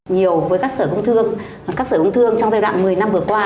nhiều với các sở công thương các sở công thương trong giai đoạn một mươi năm vừa qua